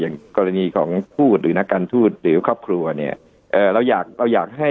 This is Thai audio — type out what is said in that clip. อย่างกรณีของทูตหรือนักการทูตหรือครอบครัวเนี่ย